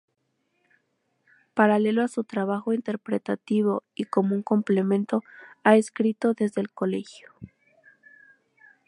Paralelo a su trabajo interpretativo y como un complemento, ha escrito desde el colegio.